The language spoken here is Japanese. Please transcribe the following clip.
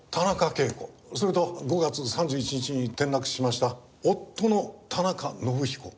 それと５月３１日に転落死しました夫の田中伸彦。